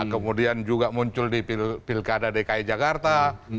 kemudian juga muncul di pilkada dki jakarta